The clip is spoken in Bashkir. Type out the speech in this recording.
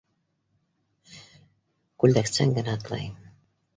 Күл дәксән генә атлай